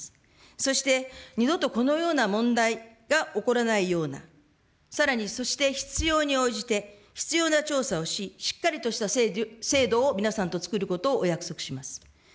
そして二度とこのような問題が起こらないように、さらに、そして必要に応じて必要な調査をし、しっかりとした制度を皆さんと作ることをお約束いたします。